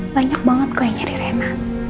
banyak banget kok yang nyari reina